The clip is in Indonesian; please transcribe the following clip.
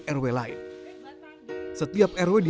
setiap rw diharapkan bisa menggunakan lele